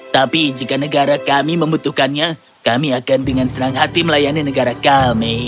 tapi jika negara kami membutuhkannya kami akan dengan senang hati melayani negara kami